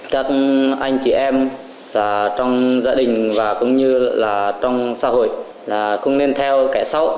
các anh chị em trong gia đình và cũng như trong xã hội không nên theo kẻ xấu